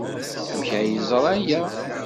Amek ay yeẓra aya?